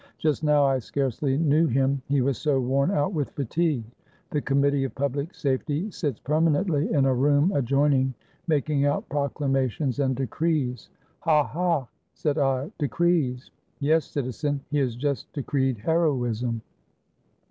Just now I scarcely knew him, he was so worn out with fatigue. The Committee of Public Safety sits permanently in a room adjoining, making out proclama tions and decrees." — "Ha, ha!" said I, "decrees!" — "Yes, citizen, he has just decreed heroism!